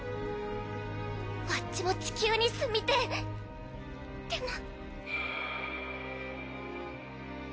わっちも地球に住みてぇでも。